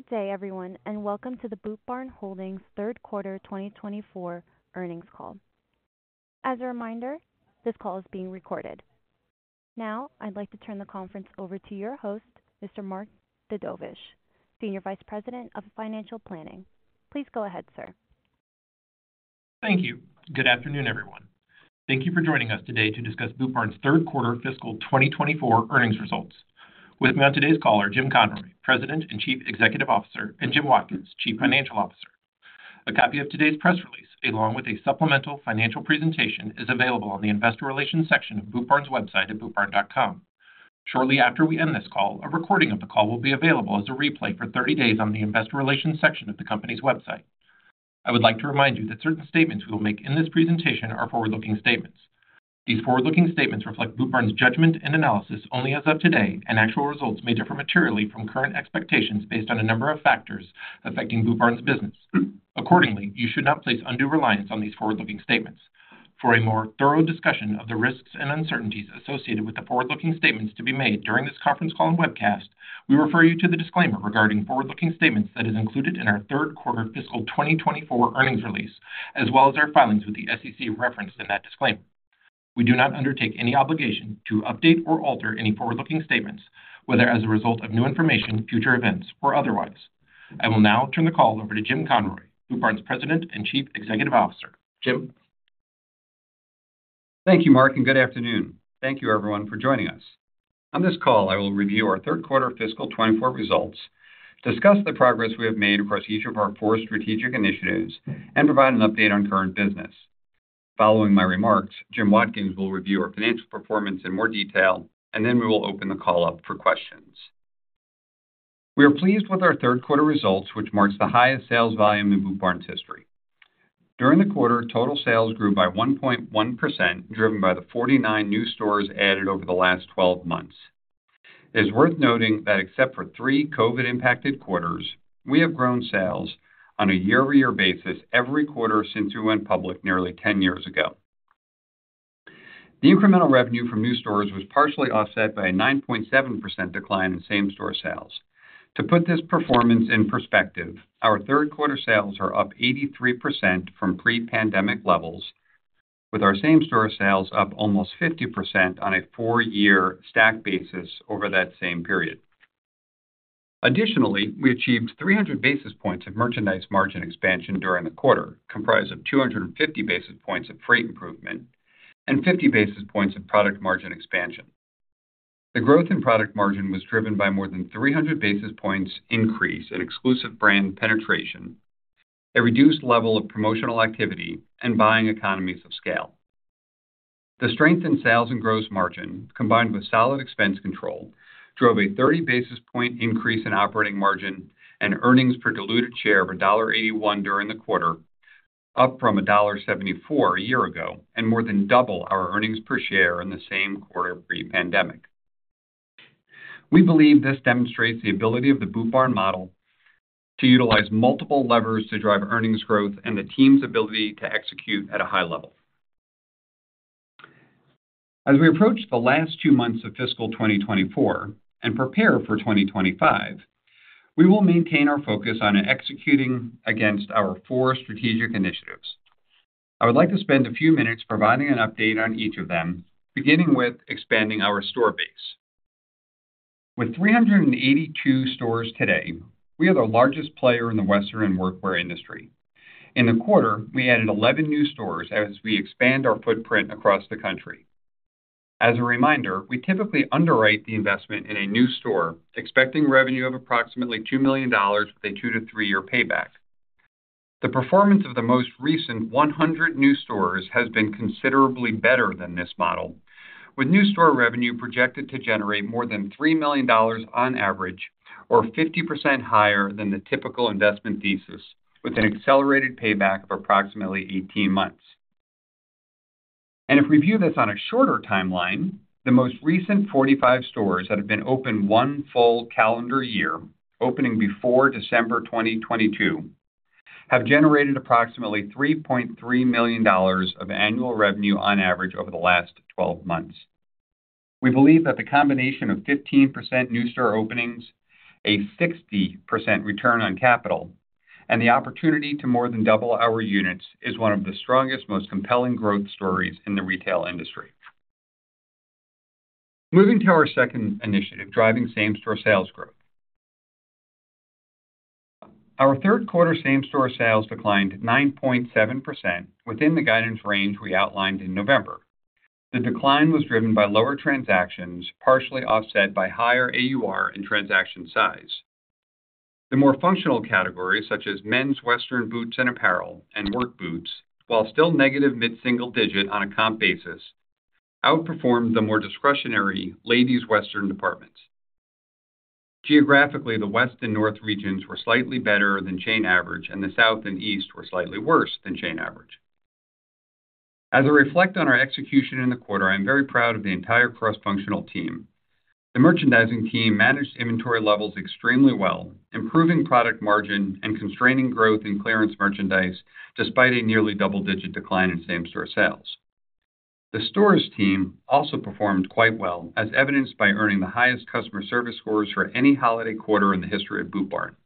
Good day, everyone, and welcome to the Boot Barn Holdings third quarter 2024 earnings call. As a reminder, this call is being recorded. Now, I'd like to turn the conference over to your host, Mr. Mark Dedovesh, Senior Vice President of Financial Planning. Please go ahead, sir. Thank you. Good afternoon, everyone. Thank you for joining us today to discuss Boot Barn's third quarter fiscal 2024 earnings results. With me on today's call are Jim Conroy, President and Chief Executive Officer, and Jim Watkins, Chief Financial Officer. A copy of today's press release, along with a supplemental financial presentation, is available on the investor relations section of Boot Barn's website at bootbarn.com. Shortly after we end this call, a recording of the call will be available as a replay for 30 days on the investor relations section of the company's website. I would like to remind you that certain statements we will make in this presentation are forward-looking statements. These forward-looking statements reflect Boot Barn's judgment and analysis only as of today, and actual results may differ materially from current expectations based on a number of factors affecting Boot Barn's business. Accordingly, you should not place undue reliance on these forward-looking statements. For a more thorough discussion of the risks and uncertainties associated with the forward-looking statements to be made during this conference call and webcast, we refer you to the disclaimer regarding forward-looking statements that is included in our third quarter fiscal 2024 earnings release, as well as our filings with the SEC referenced in that disclaimer. We do not undertake any obligation to update or alter any forward-looking statements, whether as a result of new information, future events, or otherwise. I will now turn the call over to Jim Conroy, Boot Barn's President and Chief Executive Officer. Jim? Thank you, Mark, and good afternoon. Thank you, everyone, for joining us. On this call, I will review our third quarter fiscal 2024 results, discuss the progress we have made across each of our four strategic initiatives, and provide an update on current business. Following my remarks, Jim Watkins will review our financial performance in more detail, and then we will open the call up for questions. We are pleased with our third quarter results, which marks the highest sales volume in Boot Barn's history. During the quarter, total sales grew by 1.1%, driven by the 49 new stores added over the last 12 months. It is worth noting that except for three COVID-impacted quarters, we have grown sales on a year-over-year basis every quarter since we went public nearly 10 years ago. The incremental revenue from new stores was partially offset by a 9.7% decline in same-store sales. To put this performance in perspective, our third quarter sales are up 83% from pre-pandemic levels, with our same-store sales up almost 50% on a four-year stack basis over that same period. Additionally, we achieved 300 basis points of merchandise margin expansion during the quarter, comprised of 250 basis points of freight improvement and 50 basis points of product margin expansion. The growth in product margin was driven by more than 300 basis points increase in Exclusive brand penetration, a reduced level of promotional activity, and buying economies of scale. The strength in sales and gross margin, combined with solid expense control, drove a 30 basis point increase in operating margin and earnings per diluted share of $1.81 during the quarter, up from $1.74 a year ago, and more than double our earnings per share in the same quarter pre-pandemic. We believe this demonstrates the ability of the Boot Barn model to utilize multiple levers to drive earnings growth and the team's ability to execute at a high level. As we approach the last two months of fiscal 2024 and prepare for 2025, we will maintain our focus on executing against our four strategic initiatives. I would like to spend a few minutes providing an update on each of them, beginning with expanding our store base. With 382 stores today, we are the largest player in the western and workwear industry. In the quarter, we added 11 new stores as we expand our footprint across the country. As a reminder, we typically underwrite the investment in a new store, expecting revenue of approximately $2 million with a two to three-year payback. The performance of the most recent 100 new stores has been considerably better than this model, with new store revenue projected to generate more than $3 million on average, or 50% higher than the typical investment thesis, with an accelerated payback of approximately 18 months. If we view this on a shorter timeline, the most recent 45 stores that have been open one full calendar year, opening before December 2022, have generated approximately $3.3 million of annual revenue on average over the last 12 months. We believe that the combination of 15% new store openings, a 60% return on capital, and the opportunity to more than double our units is one of the strongest, most compelling growth stories in the retail industry. Moving to our second initiative, driving same-store sales growth. Our third quarter same-store sales declined 9.7% within the guidance range we outlined in November. The decline was driven by lower transactions, partially offset by higher AUR and transaction size. The more functional categories, such as men's western boots and apparel and work boots, while still negative mid-single digit on a comp basis, outperformed the more discretionary Ladies' Western departments. Geographically, the West and North regions were slightly better than chain average, and the South and East were slightly worse than chain average. As I reflect on our execution in the quarter, I am very proud of the entire cross-functional team. The merchandising team managed inventory levels extremely well, improving product margin and constraining growth in clearance merchandise despite a nearly double-digit decline in same-store sales. The stores team also performed quite well, as evidenced by earning the highest customer service scores for any holiday quarter in the history of Boot Barn.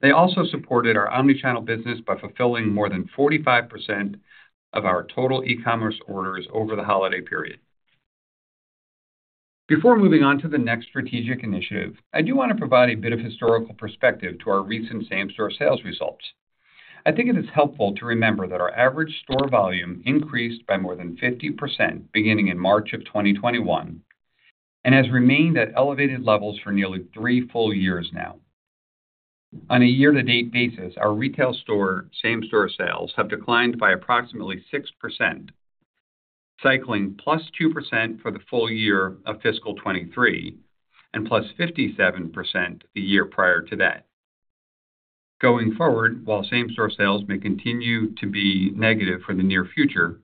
They also supported our omni-channel business by fulfilling more than 45% of our total e-commerce orders over the holiday period. Before moving on to the next strategic initiative, I do want to provide a bit of historical perspective to our recent same-store sales results. I think it is helpful to remember that our average store volume increased by more than 50% beginning in March 2021, and has remained at elevated levels for nearly three full years now. On a year-to-date basis, our retail store same-store sales have declined by approximately 6%, cycling +2% for the full year of fiscal 2023, and +57% the year prior to that. Going forward, while same-store sales may continue to be negative for the near future,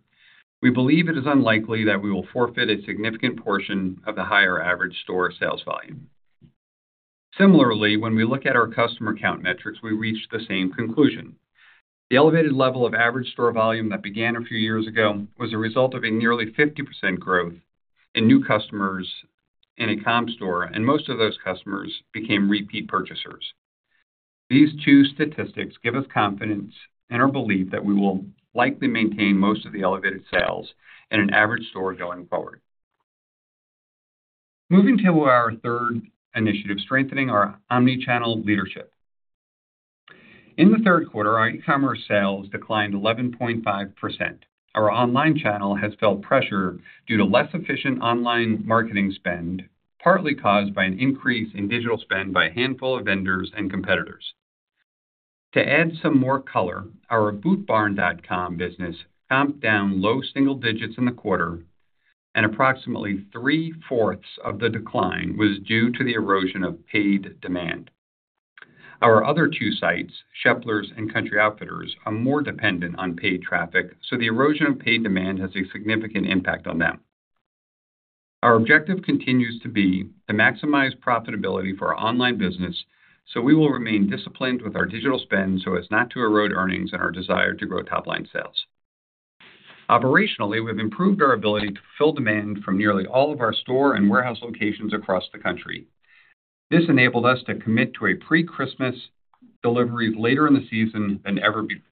we believe it is unlikely that we will forfeit a significant portion of the higher average store sales volume. Similarly, when we look at our customer count metrics, we reach the same conclusion. The elevated level of average store volume that began a few years ago was a result of a nearly 50% growth in new customers in a comp store, and most of those customers became repeat purchasers. These two statistics give us confidence in our belief that we will likely maintain most of the elevated sales in an average store going forward. Moving to our third initiative, strengthening our omni-channel leadership. In the third quarter, our e-commerce sales declined 11.5%. Our online channel has felt pressure due to less efficient online marketing spend, partly caused by an increase in digital spend by a handful of vendors and competitors. To add some more color, our bootbarn.com business comped down low single digits in the quarter, and approximately three-fourths of the decline was due to the erosion of paid demand. Our other two sites, Sheplers and Country Outfitter, are more dependent on paid traffic, so the erosion of paid demand has a significant impact on them. Our objective continues to be to maximize profitability for our online business so we will remain disciplined with our digital spend so as not to erode earnings and our desire to grow top-line sales. Operationally, we've improved our ability to fill demand from nearly all of our store and warehouse locations across the country. This enabled us to commit to a pre-Christmas delivery later in the season than ever before.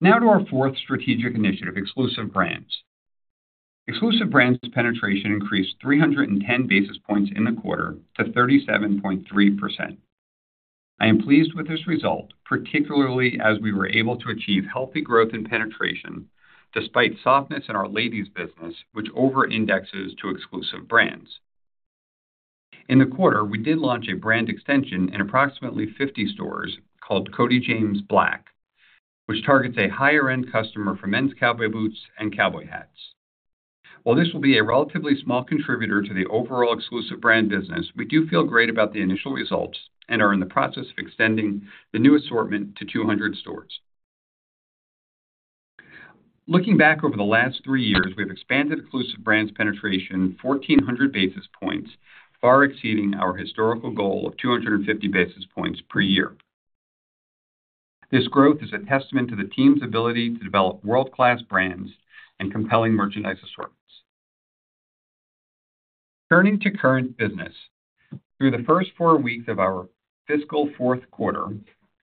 Now to our fourth strategic initiative, Exclusive brands. Exclusive brands' penetration increased 310 basis points in the quarter to 37.3%. I am pleased with this result, particularly as we were able to achieve healthy growth in penetration despite softness in our Ladies business, which over-indexes to Exclusive brands. In the quarter, we did launch a brand extension in approximately 50 stores called Cody James Black, which targets a higher-end customer for men's cowboy boots and cowboy hats. While this will be a relatively small contributor to the overall Exclusive brand business, we do feel great about the initial results and are in the process of extending the new assortment to 200 stores. Looking back over the last three years, we've expanded Exclusive brands penetration 1,400 basis points, far exceeding our historical goal of 250 basis points per year. This growth is a testament to the team's ability to develop world-class brands and compelling merchandise assortments. Turning to current business. Through the first four weeks of our fiscal fourth quarter,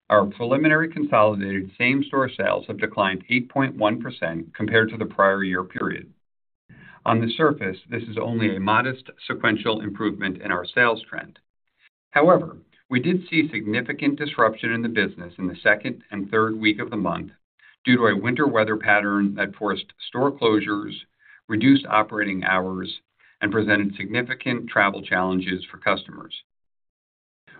our preliminary consolidated same-store sales have declined 8.1% compared to the prior year period. On the surface, this is only a modest sequential improvement in our sales trend. However, we did see significant disruption in the business in the second and third week of the month due to a winter weather pattern that forced store closures, reduced operating hours, and presented significant travel challenges for customers.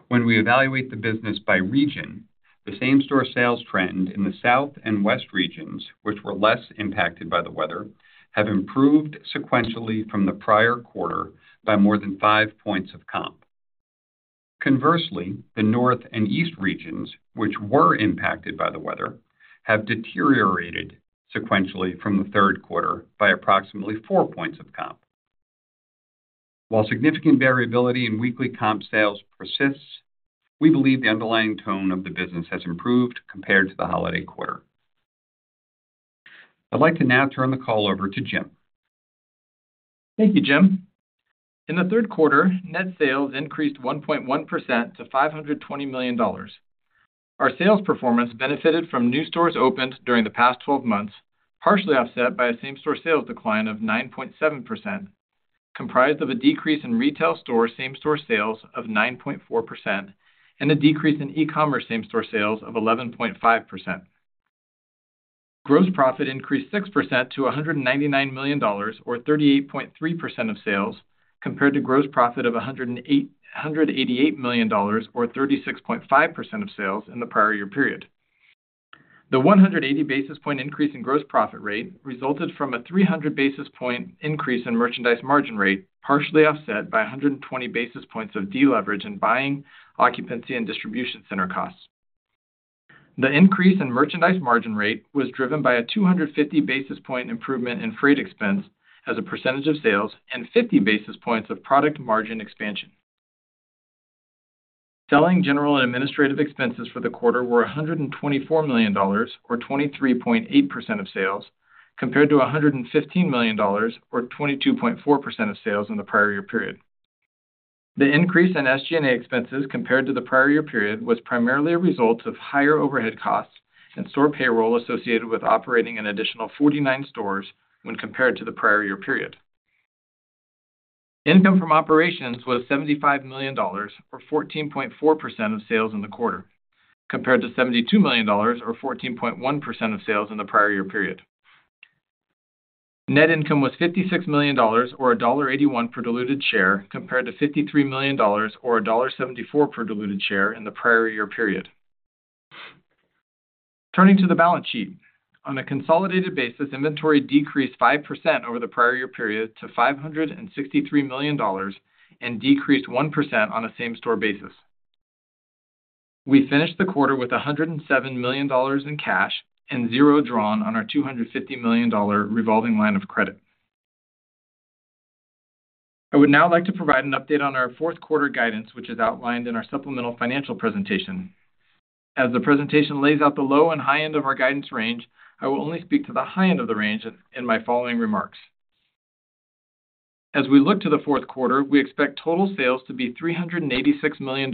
When we evaluate the business by region, the same-store sales trend in the South and West regions, which were less impacted by the weather, have improved sequentially from the prior quarter by more than five points of comp. Conversely, the North and East regions, which were impacted by the weather, have deteriorated sequentially from the third quarter by approximately four points of comp. While significant variability in weekly comp sales persists, we believe the underlying tone of the business has improved compared to the holiday quarter. I'd like to now turn the call over to Jim. Thank you, Jim. In the third quarter, net sales increased 1.1% to $520 million. Our sales performance benefited from new stores opened during the past 12 months, partially offset by a same-store sales decline of 9.7%, comprised of a decrease in retail store same-store sales of 9.4% and a decrease in e-commerce same-store sales of 11.5%. Gross profit increased 6% to $199 million, or 38.3% of sales, compared to gross profit of $188 million or 36.5% of sales in the prior year period. The 180 basis point increase in gross profit rate resulted from a 300 basis point increase in merchandise margin rate, partially offset by 120 basis points of deleverage in buying, occupancy, and distribution center costs. The increase in merchandise margin rate was driven by a 250 basis point improvement in freight expense as a percentage of sales and 50 basis points of product margin expansion. Selling, general, and administrative expenses for the quarter were $124 million, or 23.8% of sales, compared to $115 million, or 22.4% of sales in the prior year period. The increase in SG&A expenses compared to the prior year period was primarily a result of higher overhead costs and store payroll associated with operating an additional 49 stores when compared to the prior year period. Income from operations was $75 million, or 14.4% of sales in the quarter, compared to $72 million or 14.1% of sales in the prior year period. Net income was $56 million, or $1.81 per diluted share, compared to $53 million or $1.74 per diluted share in the prior year period. Turning to the balance sheet. On a consolidated basis, inventory decreased 5% over the prior year period to $563 million and decreased 1% on a same-store basis. We finished the quarter with $107 million in cash and zero drawn on our $250 million revolving line of credit. I would now like to provide an update on our fourth quarter guidance, which is outlined in our supplemental financial presentation. As the presentation lays out the low and high end of our guidance range, I will only speak to the high end of the range in my following remarks. As we look to the fourth quarter, we expect total sales to be $386 million.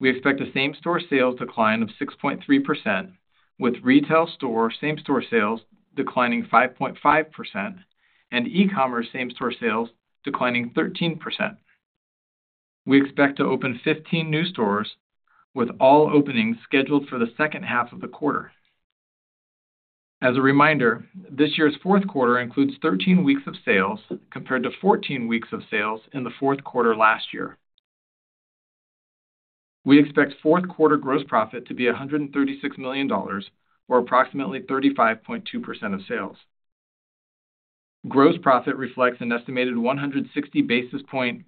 We expect a same-store sales decline of 6.3%, with retail store same-store sales declining 5.5% and e-commerce same-store sales declining 13%. We expect to open 15 new stores, with all openings scheduled for the second half of the quarter. As a reminder, this year's fourth quarter includes 13 weeks of sales, compared to 14 weeks of sales in the fourth quarter last year. We expect fourth quarter gross profit to be $136 million, or approximately 35.2% of sales. Gross profit reflects an estimated 160 basis points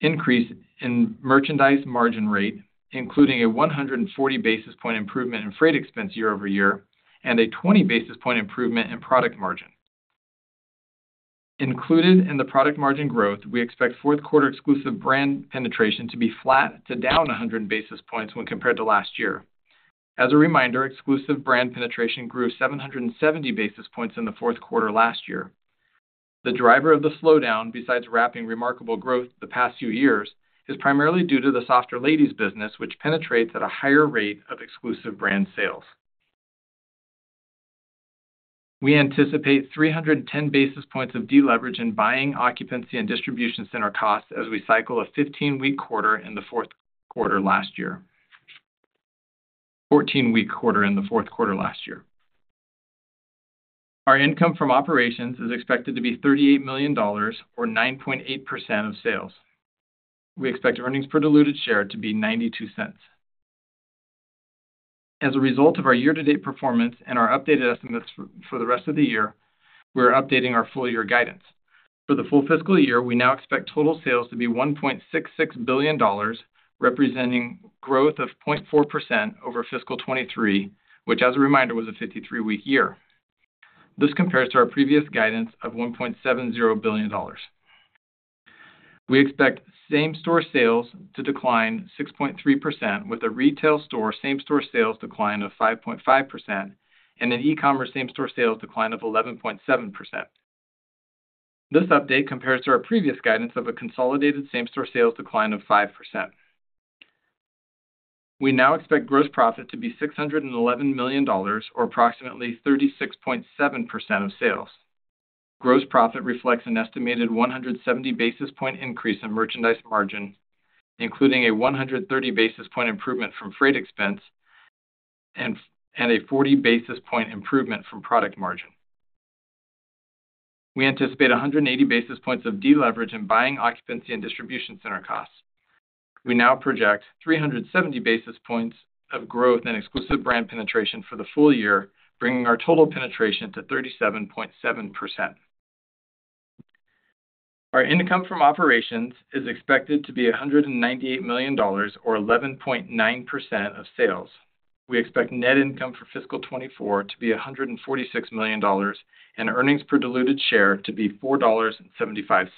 increase in merchandise margin rate, including a 140 basis points improvement in freight expense year-over-year, and a 20 basis points improvement in product margin. Included in the product margin growth, we expect fourth quarter Exclusive brands penetration to be flat to down 100 basis points when compared to last year. As a reminder, Exclusive brands penetration grew 770 basis points in the fourth quarter last year. The driver of the slowdown, besides wrapping remarkable growth the past few years, is primarily due to the softer Ladies business, which penetrates at a higher rate of Exclusive brand sales. We anticipate 310 basis points of deleverage in buying occupancy and distribution center costs as we cycle a 15-week quarter in the fourth quarter last year - 14-week quarter in the fourth quarter last year. Our income from operations is expected to be $38 million or 9.8% of sales. We expect earnings per diluted share to be $0.92. As a result of our year-to-date performance and our updated estimates for, for the rest of the year, we are updating our full year guidance. For the full fiscal year, we now expect total sales to be $1.66 billion, representing growth of 0.4% over fiscal 2023, which as a reminder, was a 53-week year. This compares to our previous guidance of $1.70 billion. We expect same-store sales to decline 6.3%, with a retail store same-store sales decline of 5.5% and an e-commerce same-store sales decline of 11.7%. This update compares to our previous guidance of a consolidated same-store sales decline of 5%. We now expect gross profit to be $611 million or approximately 36.7% of sales. Gross profit reflects an estimated 170 basis point increase in merchandise margin, including a 130 basis point improvement from freight expense and a 40 basis point improvement from product margin. We anticipate 180 basis points of deleverage in buying occupancy and distribution center costs. We now project 370 basis points of growth and Exclusive brand penetration for the full year, bringing our total penetration to 37.7%. Our income from operations is expected to be $198 million or 11.9% of sales. We expect net income for fiscal 2024 to be $146 million and earnings per diluted share to be $4.75.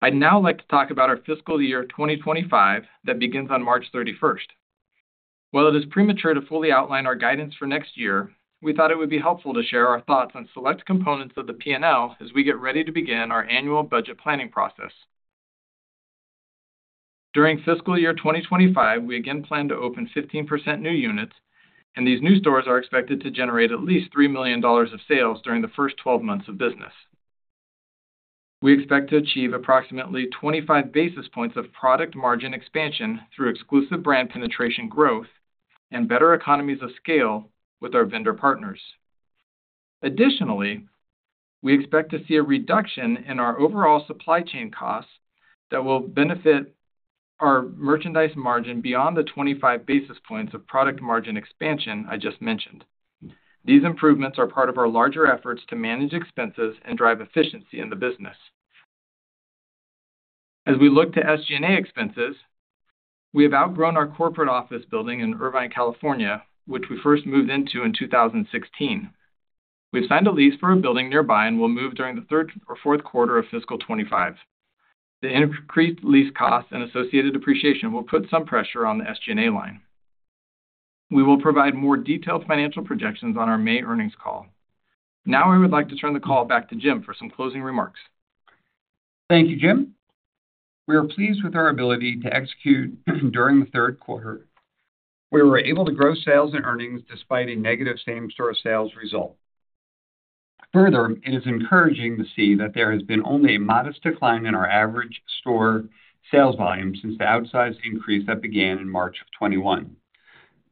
I'd now like to talk about our fiscal year 2025 that begins on March 31. While it is premature to fully outline our guidance for next year, we thought it would be helpful to share our thoughts on select components of the P&L as we get ready to begin our annual budget planning process. During fiscal year 2025, we again plan to open 15% new units, and these new stores are expected to generate at least $3 million of sales during the first 12 months of business. We expect to achieve approximately 25 basis points of product margin expansion through Exclusive brand penetration growth and better economies of scale with our vendor partners. Additionally, we expect to see a reduction in our overall supply chain costs that will benefit our merchandise margin beyond the 25 basis points of product margin expansion I just mentioned. These improvements are part of our larger efforts to manage expenses and drive efficiency in the business. As we look to SG&A expenses, we have outgrown our corporate office building in Irvine, California, which we first moved into in 2016. We've signed a lease for a building nearby and will move during the third or fourth quarter of fiscal 2025. The increased lease costs and associated depreciation will put some pressure on the SG&A line. We will provide more detailed financial projections on our May earnings call. Now I would like to turn the call back to Jim for some closing remarks. Thank you, Jim. We are pleased with our ability to execute during the third quarter. We were able to grow sales and earnings despite a negative same-store sales result. Further, it is encouraging to see that there has been only a modest decline in our average store sales volume since the outsized increase that began in March of 2021.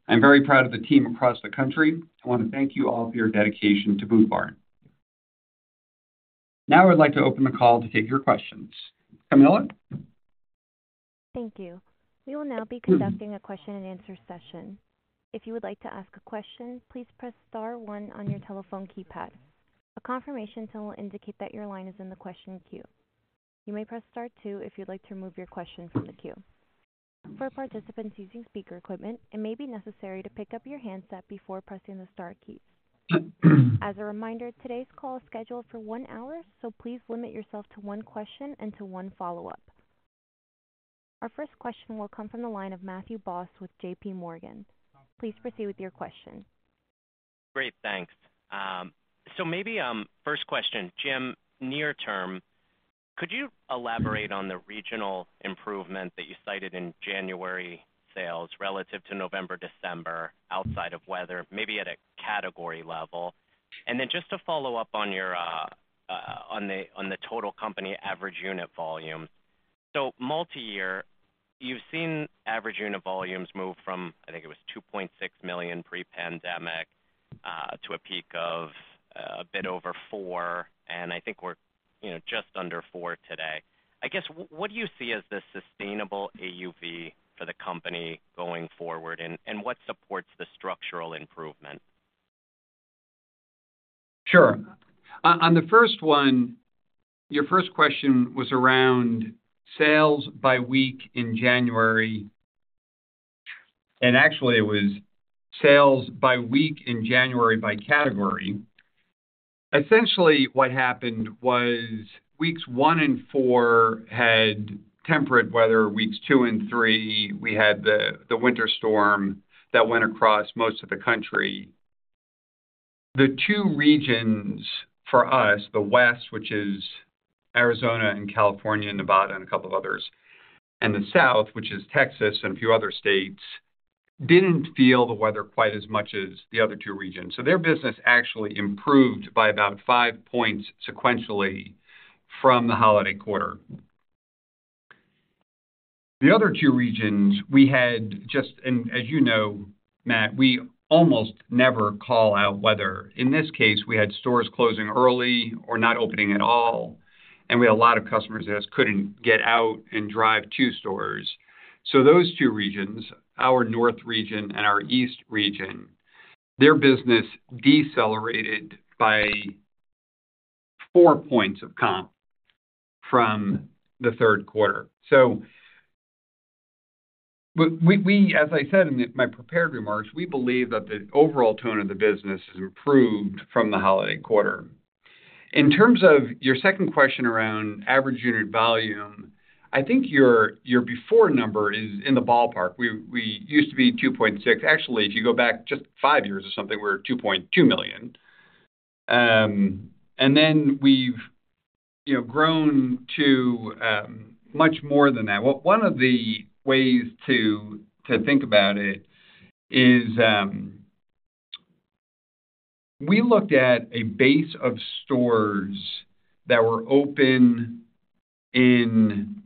I'm very proud of the team across the country. I want to thank you all for your dedication to Boot Barn. Now I'd like to open the call to take your questions. Camilla? Thank you. We will now be conducting a question and answer session. If you would like to ask a question, please press star one on your telephone keypad. A confirmation tone will indicate that your line is in the question queue. You may press star two if you'd like to remove your question from the queue. For participants using speaker equipment, it may be necessary to pick up your handset before pressing the star keys. As a reminder, today's call is scheduled for one hour, so please limit yourself to one question and to one follow-up. Our first question will come from the line of Matthew Boss with JPMorgan. Please proceed with your question. Great, thanks. So maybe first question, Jim, near term, could you elaborate on the regional improvement that you cited in January sales relative to November, December, outside of weather, maybe at a category level? And then just to follow up on your, on the total company average unit volume. So multi-year, you've seen average unit volumes move from, I think it was $2.6 million pre-pandemic, to a peak of a bit over $4 million, and I think we're, you know, just under $4 million today. I guess, what do you see as the sustainable AUV for the company going forward, and what supports the structural improvement? Sure. On the first one, your first question was around sales by week in January, and actually it was sales by week in January by category. Essentially, what happened was weeks one and four had temperate weather. Weeks two and three, we had the winter storm that went across most of the country. The two regions for us, the West, which is Arizona and California and Nevada and a couple of others, and the South, which is Texas and a few other states, didn't feel the weather quite as much as the other two regions. So their business actually improved by about five points sequentially from the holiday quarter. The other two regions, we had just - and as you know, Matt, we almost never call out weather. In this case, we had stores closing early or not opening at all, and we had a lot of customers that couldn't get out and drive to stores. So those two regions, our North region and our East region, their business decelerated by 4 points of comp from the third quarter. So we, as I said in my prepared remarks, we believe that the overall tone of the business has improved from the holiday quarter. In terms of your second question around average unit volume, I think your before number is in the ballpark. We used to be $2.6 million. Actually, if you go back just 5 years or something, we're $2.2 million. And then we've, you know, grown to much more than that. Well, one of the ways to think about it is, we looked at a base of stores that were open in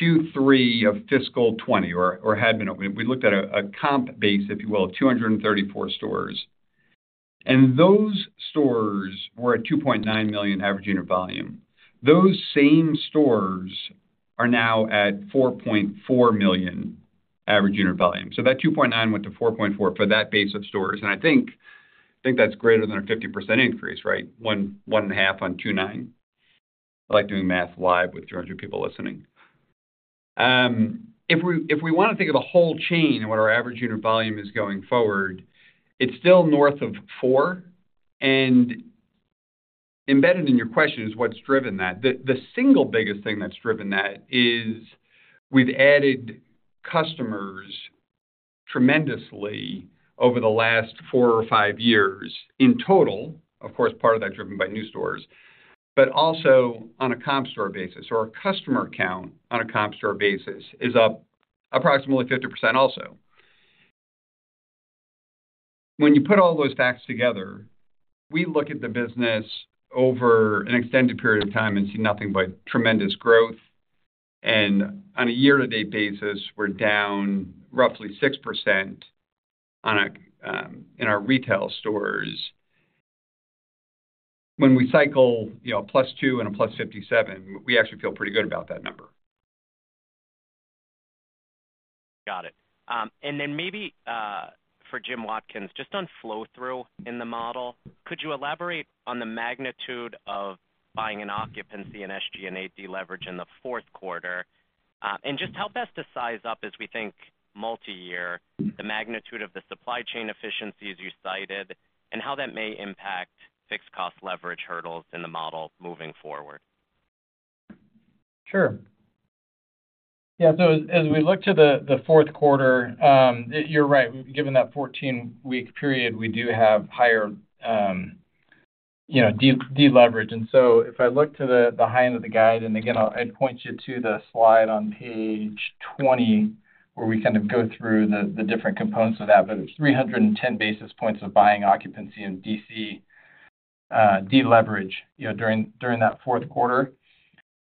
Q3 of fiscal 2020 or had been open. We looked at a comp base, if you will, of 234 stores, and those stores were at $2.9 million average unit volume. Those same stores are now at $4.4 million average unit volume. So that 2.9 went to 4.4 for that base of stores, and I think that's greater than a 50% increase, right? 1, 1.5 on 2.9. I like doing math live with 300 people listening. If we want to think of the whole chain and what our average unit volume is going forward, it's still north of 4. Embedded in your question is what's driven that. The single biggest thing that's driven that is we've added customers tremendously over the last 4 or 5 years in total. Of course, part of that driven by new stores, but also on a comp store basis, or a customer count on a comp store basis is up approximately 50% also. When you put all those facts together, we look at the business over an extended period of time and see nothing but tremendous growth. On a year-to-date basis, we're down roughly 6% on a in our retail stores. When we cycle, you know, a +2 and a +57, we actually feel pretty good about that number. Got it. And then maybe, for Jim Watkins, just on flow-through in the model, could you elaborate on the magnitude of buying an occupancy and SG&A deleverage in the fourth quarter? And just how best to size up as we think multi-year, the magnitude of the supply chain efficiencies you cited, and how that may impact fixed cost leverage hurdles in the model moving forward? Sure. Yeah, so as we look to the fourth quarter, you're right. Given that 14-week period, we do have higher, you know, deleverage. And so if I look to the high end of the guide, and again, I'd point you to the slide on page 20, where we kind of go through the different components of that. But it's 310 basis points of buying occupancy in DC deleverage, you know, during that fourth quarter.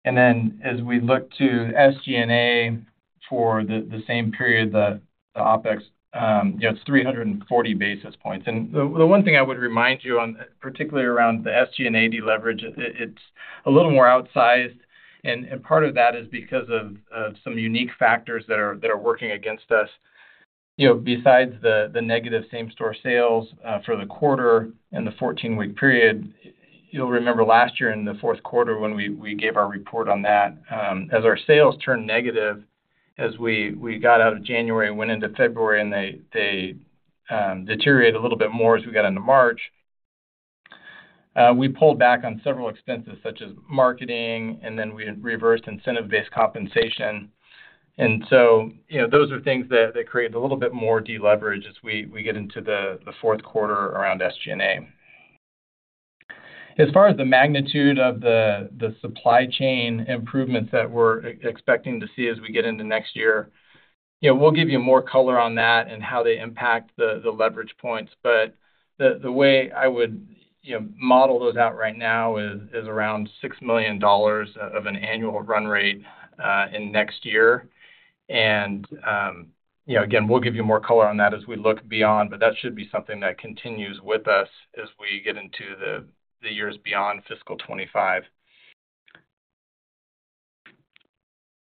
And then as we look to SG&A for the same period, the OpEx, you know, it's 340 basis points. And the one thing I would remind you on, particularly around the SG&A deleverage, it's a little more outsized. Part of that is because of some unique factors that are working against us. You know, besides the negative same-store sales for the quarter and the 14-week period, you'll remember last year in the fourth quarter when we gave our report on that, as our sales turned negative, as we got out of January and went into February, and they deteriorated a little bit more as we got into March. We pulled back on several expenses such as marketing, and then we reversed incentive-based compensation. And so, you know, those are things that create a little bit more deleverage as we get into the fourth quarter around SG&A. As far as the magnitude of the supply chain improvements that we're expecting to see as we get into next year, you know, we'll give you more color on that and how they impact the leverage points. But the way I would, you know, model those out right now is around $6 million of an annual run rate in next year. You know, again, we'll give you more color on that as we look beyond, but that should be something that continues with us as we get into the years beyond fiscal 2025.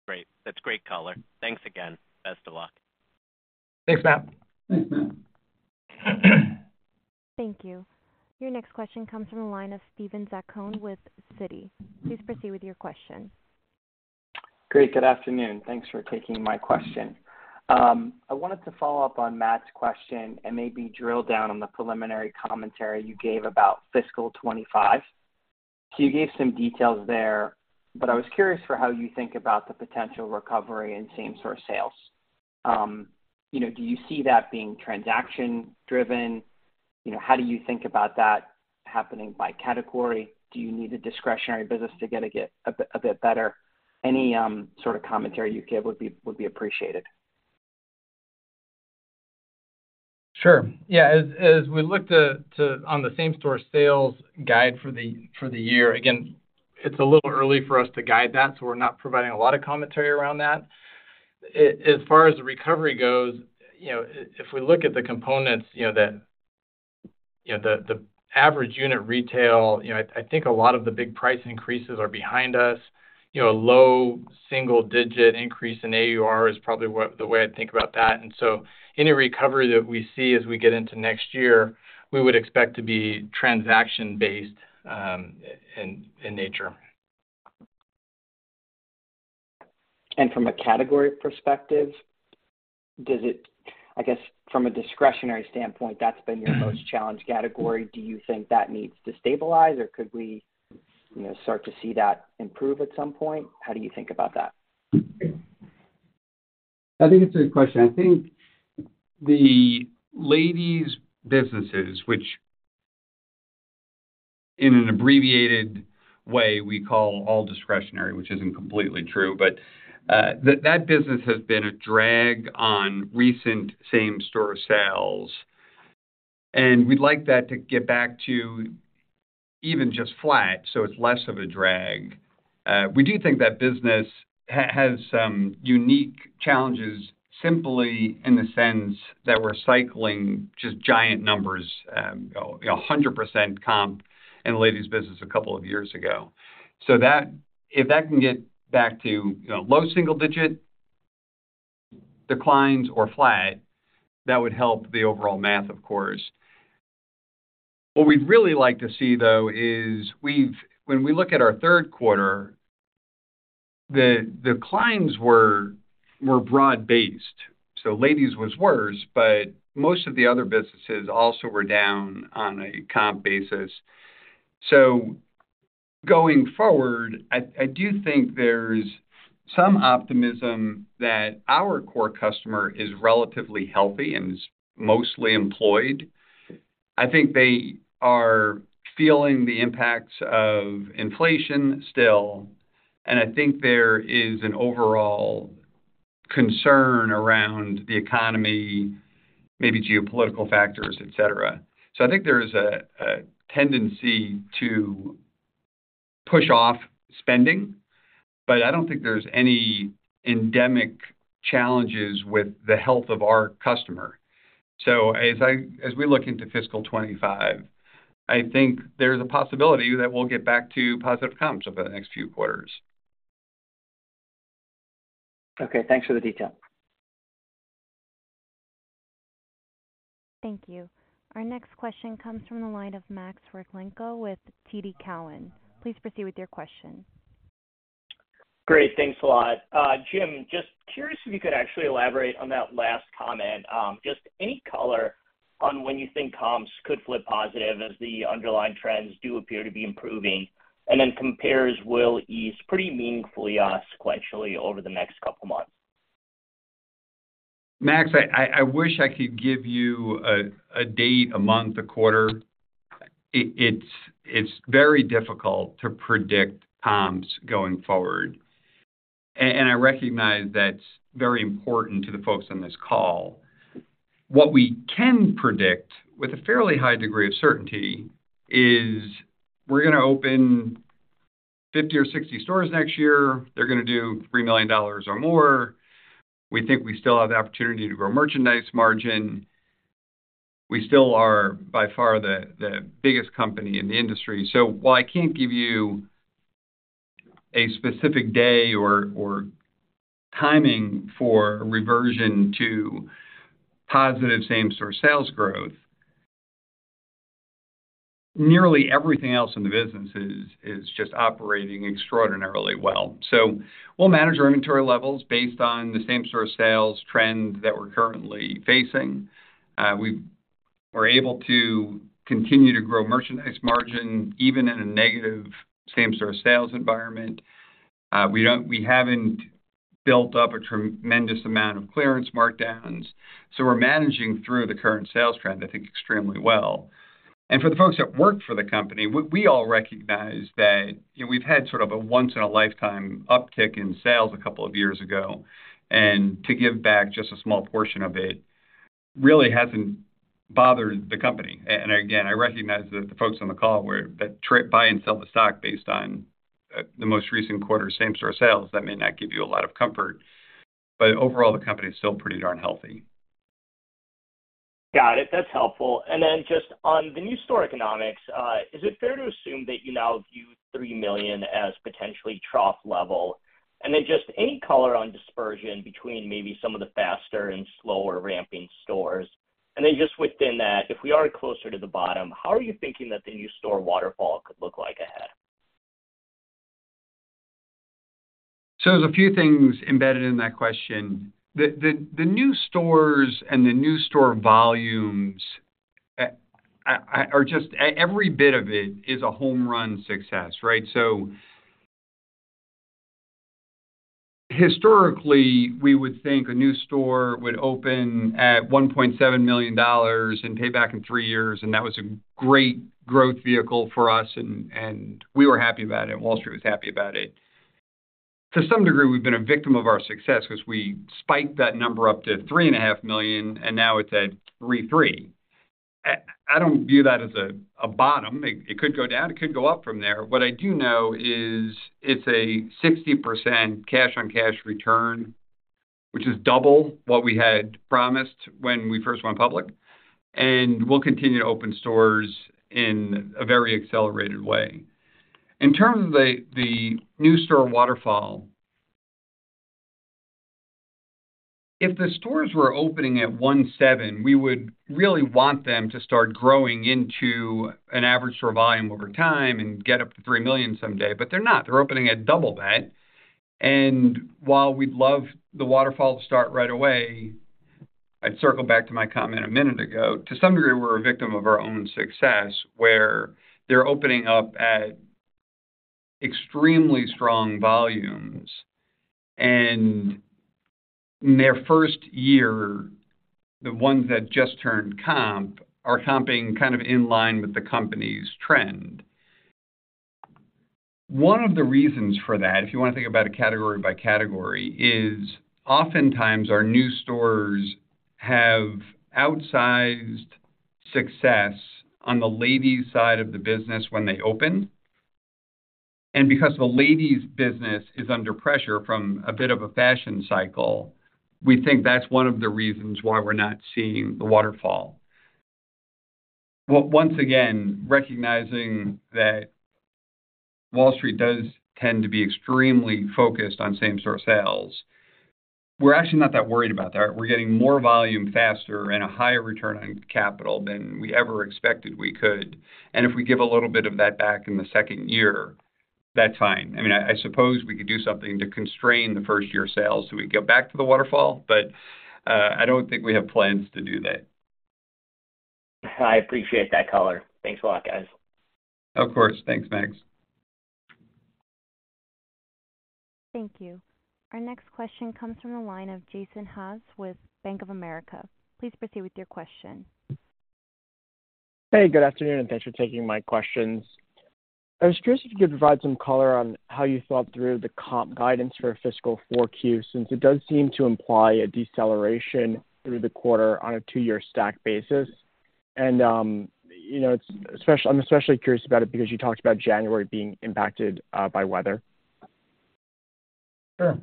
Great. That's great color. Thanks again. Best of luck. Thanks, Matt. Thanks, Matt. Thank you. Your next question comes from the line of Steven Zaccone with Citi. Please proceed with your question. Great. Good afternoon. Thanks for taking my question. I wanted to follow up on Matt's question and maybe drill down on the preliminary commentary you gave about fiscal 2025. So you gave some details there, but I was curious for how you think about the potential recovery in same-store sales. You know, do you see that being transaction driven? You know, how do you think about that happening by category? Do you need a discretionary business to get a bit, a bit better? Any sort of commentary you'd give would be, would be appreciated. Sure. Yeah. As we look to on the same-store sales guide for the year, again, it's a little early for us to guide that, so we're not providing a lot of commentary around that. As far as the recovery goes, you know, if we look at the components, you know, the average unit retail, you know, I think a lot of the big price increases are behind us. You know, a low single digit increase in AUR is probably what the way I think about that. And so any recovery that we see as we get into next year, we would expect to be transaction based, in nature. From a category perspective, does it - I guess from a discretionary standpoint, that's been your most challenged category? Do you think that needs to stabilize, or could we, you know, start to see that improve at some point? How do you think about that? I think it's a good question. I think the Ladies businesses, which in an abbreviated way, we call all discretionary, which isn't completely true, but that business has been a drag on recent same-store sales, and we'd like that to get back to even just flat, so it's less of a drag. We do think that business has some unique challenges, simply in the sense that we're cycling just giant numbers, you know, 100% comp in the ladies business a couple of years ago. So that, if that can get back to, you know, low single digit declines or flat, that would help the overall math, of course. What we'd really like to see, though, is we've, when we look at our third quarter, the declines were broad-based, so ladies was worse, but most of the other businesses also were down on a comp basis. So going forward, I do think there's some optimism that our core customer is relatively healthy and is mostly employed. I think they are feeling the impacts of inflation still, and I think there is an overall concern around the economy, maybe geopolitical factors, et cetera. So I think there is a tendency to push off spending, but I don't think there's any endemic challenges with the health of our customer. So as we look into fiscal 2025, I think there's a possibility that we'll get back to positive comps over the next few quarters. Okay, thanks for the detail. Thank you. Our next question comes from the line of Max Rakhlenko with TD Cowen. Please proceed with your question. Great, thanks a lot. Jim, just curious if you could actually elaborate on that last comment. Just any color on when you think comps could flip positive as the underlying trends do appear to be improving, and then compares will ease pretty meaningfully, sequentially over the next couple of months? Max, I wish I could give you a date, a month, a quarter. It's very difficult to predict comps going forward, and I recognize that's very important to the folks on this call. What we can predict with a fairly high degree of certainty is we're gonna open 50 or 60 stores next year. They're gonna do $3 million or more. We think we still have the opportunity to grow merchandise margin. We still are by far the biggest company in the industry. So while I can't give you a specific day or timing for reversion to positive same-store sales growth, nearly everything else in the business is just operating extraordinarily well. So we'll manage our inventory levels based on the same-store sales trend that we're currently facing. We were able to continue to grow merchandise margin even in a negative same-store sales environment. We haven't built up a tremendous amount of clearance markdowns, so we're managing through the current sales trend, I think, extremely well. And for the folks that work for the company, we all recognize that, you know, we've had sort of a once-in-a-lifetime uptick in sales a couple of years ago, and to give back just a small portion of it really hasn't bothered the company. And again, I recognize that the folks on the call that trade, buy, and sell the stock based on the most recent quarter same-store sales, that may not give you a lot of comfort, but overall, the company is still pretty darn healthy. Got it. That's helpful. And then just on the new store economics, is it fair to assume that you now view $3 million as potentially trough level? And then just any color on dispersion between maybe some of the faster and slower ramping stores? And then just within that, if we are closer to the bottom, how are you thinking that the new store waterfall could look like ahead? So there's a few things embedded in that question. The new stores and the new store volumes are just every bit of it is a home run success, right? So historically, we would think a new store would open at $1.7 million and pay back in 3 years, and that was a great growth vehicle for us and we were happy about it, and Wall Street was happy about it. To some degree, we've been a victim of our success because we spiked that number up to $3.5 million, and now it's at $3.3 million. I don't view that as a bottom. It could go down, it could go up from there. What I do know is it's a 60% cash-on-cash return, which is double what we had promised when we first went public, and we'll continue to open stores in a very accelerated way. In terms of the new store waterfall, if the stores were opening at $1.7 million, we would really want them to start growing into an average store volume over time and get up to $3 million someday. But they're not. They're opening at double that. And while we'd love the waterfall to start right away, I'd circle back to my comment a minute ago, to some degree, we're a victim of our own success, where they're opening up at extremely strong volumes, and in their first year, the ones that just turned comp are comping kind of in line with the company's trend. One of the reasons for that, if you want to think about it category by category, is oftentimes our new stores have outsized success on the ladies' side of the business when they open. And because the ladies' business is under pressure from a bit of a fashion cycle, we think that's one of the reasons why we're not seeing the waterfall. Well, once again, recognizing that Wall Street does tend to be extremely focused on same-store sales, we're actually not that worried about that. We're getting more volume faster and a higher return on capital than we ever expected we could. And if we give a little bit of that back in the second year, that's fine. I mean, I suppose we could do something to constrain the first-year sales, so we'd go back to the waterfall, but, I don't think we have plans to do that. I appreciate that color. Thanks a lot, guys. Of course. Thanks, Max. Thank you. Our next question comes from the line of Jason Haas with Bank of America. Please proceed with your question. Hey, good afternoon, and thanks for taking my questions. I was curious if you could provide some color on how you thought through the comp guidance for fiscal 4Q, since it does seem to imply a deceleration through the quarter on a 2-year stack basis. And, you know, I'm especially curious about it because you talked about January being impacted by weather. Sure.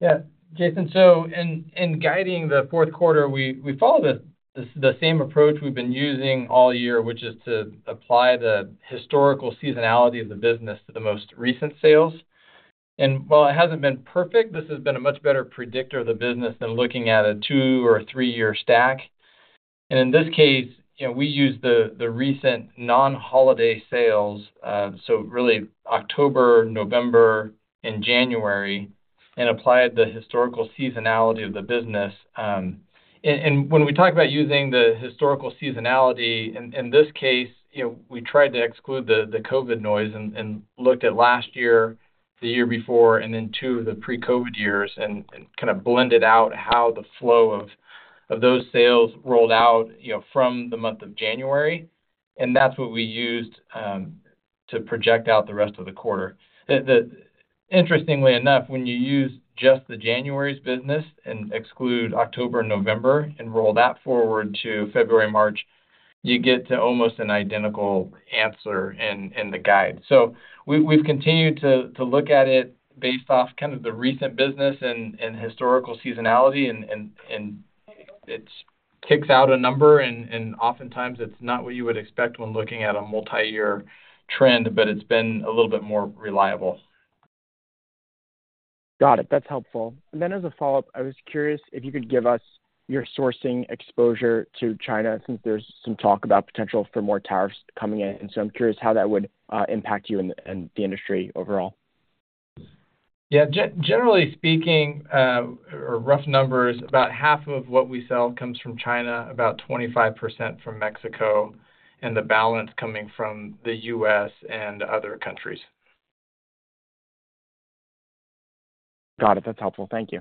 Yeah, Jason, so in guiding the fourth quarter, we followed the same approach we've been using all year, which is to apply the historical seasonality of the business to the most recent sales. And while it hasn't been perfect, this has been a much better predictor of the business than looking at a two- or a three-year stack. And in this case, you know, we used the recent non-holiday sales, so really October, November, and January, and applied the historical seasonality of the business. And when we talk about using the historical seasonality, in this case, you know, we tried to exclude the COVID noise and looked at last year, the year before, and then two of the pre-COVID years and kind of blended out how the flow of those sales rolled out, you know, from the month of January, and that's what we used to project out the rest of the quarter. Interestingly enough, when you use just the January's business and exclude October and November and roll that forward to February, March, you get to almost an identical answer in the guide. So we've continued to look at it based off kind of the recent business and historical seasonality, and it's kicks out a number, and oftentimes it's not what you would expect when looking at a multi-year trend, but it's been a little bit more reliable. Got it. That's helpful. And then as a follow-up, I was curious if you could give us your sourcing exposure to China, since there's some talk about potential for more tariffs coming in. So I'm curious how that would impact you and the industry overall. Yeah, generally speaking, or rough numbers, about half of what we sell comes from China, about 25% from Mexico, and the balance coming from the US and other countries. Got it. That's helpful. Thank you.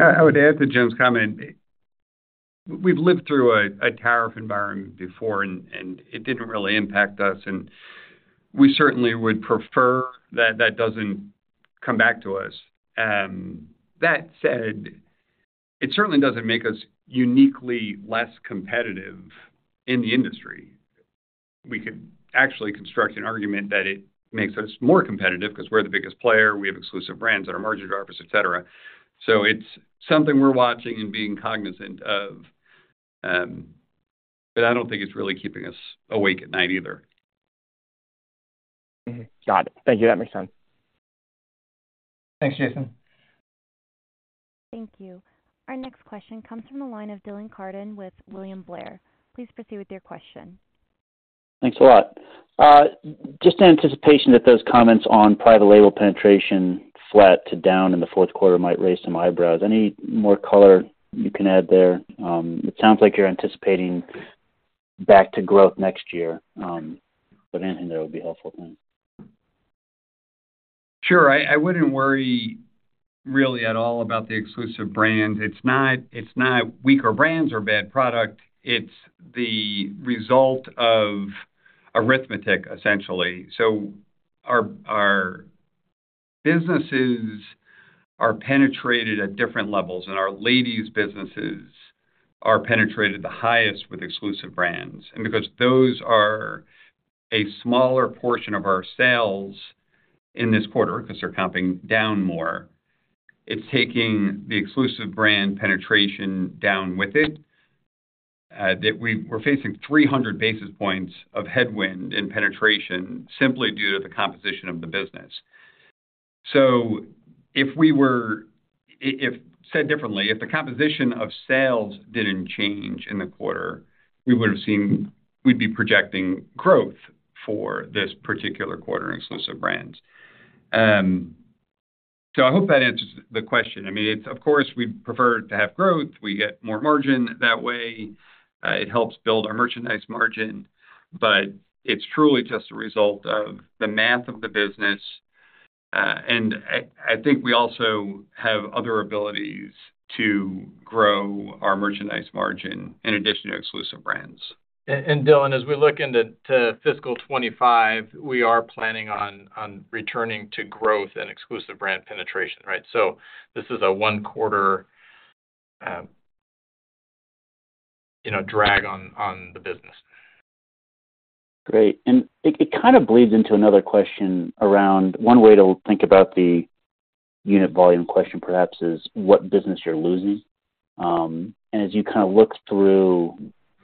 I would add to Jim's comment, we've lived through a tariff environment before, and it didn't really impact us, and we certainly would prefer that that doesn't come back to us. That said, it certainly doesn't make us uniquely less competitive in the industry. We could actually construct an argument that it makes us more competitive because we're the biggest player, we have Exclusive brands that are margin drivers, et cetera. So it's something we're watching and being cognizant of, but I don't think it's really keeping us awake at night either. Got it. Thank you. That makes sense. Thanks, Jason. Thank you. Our next question comes from the line of Dylan Carden with William Blair. Please proceed with your question. Thanks a lot. Just in anticipation that those comments on private label penetration flat to down in the fourth quarter might raise some eyebrows, any more color you can add there? It sounds like you're anticipating back to growth next year, but anything that would be helpful then? Sure. I wouldn't worry really at all about the Exclusive brand. It's not weaker brands or bad product. It's the result of arithmetic, essentially. So our businesses are penetrated at different levels, and our ladies businesses are penetrated the highest with Exclusive brands. And because those are a smaller portion of our sales in this quarter, because they're comping down more, it's taking the Exclusive brand penetration down with it, that we're facing 300 basis points of headwind in penetration simply due to the composition of the business. If said differently, if the composition of sales didn't change in the quarter, we would have seen, we'd be projecting growth for this particular quarter in Exclusive brands. So I hope that answers the question. I mean, it's, of course, we'd prefer to have growth. We get more margin that way. It helps build our merchandise margin, but it's truly just a result of the math of the business. And I think we also have other abilities to grow our merchandise margin in addition to Exclusive brands. And Dylan, as we look into fiscal 2025, we are planning on returning to growth and Exclusive brand penetration, right? So this is a one-quarter, you know, drag on the business. Great. And it kind of bleeds into another question around - one way to think about the unit volume question, perhaps, is what business you're losing. And as you kind of look through